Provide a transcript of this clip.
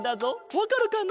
わかるかな？